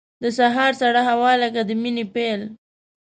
د سهار سړه هوا لکه د مینې پیل.